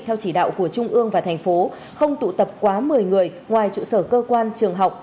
theo chỉ đạo của trung ương và thành phố không tụ tập quá một mươi người ngoài trụ sở cơ quan trường học